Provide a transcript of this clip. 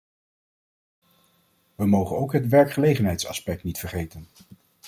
We mogen ook het werkgelegenheidsaspect niet vergeten.